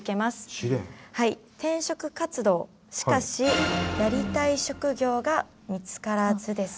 はい転職活動しかしやりたい職業が見つからずです。